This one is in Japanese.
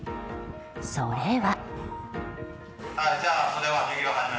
それは。